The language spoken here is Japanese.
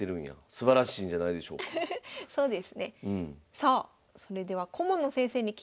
さあそれでは顧問の先生に聞きました。